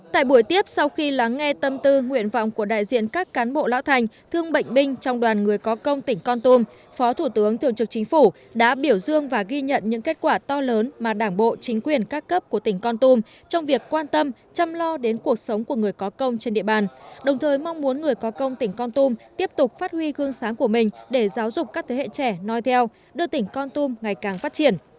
tại buổi tiếp sau khi lắng nghe tâm tư nguyện vọng của đại diện các cán bộ lão thành thương bệnh binh trong đoàn người có công tỉnh con tum phó thủ tướng thường trực chính phủ đã biểu dương và ghi nhận những kết quả to lớn mà đảng bộ chính quyền các cấp của tỉnh con tum trong việc quan tâm chăm lo đến cuộc sống của người có công trên địa bàn đồng thời mong muốn người có công tỉnh con tum tiếp tục phát huy gương sáng của mình để giáo dục các thế hệ trẻ nói theo đưa tỉnh con tum ngày càng phát triển